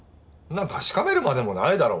確かめるまでもないだろ。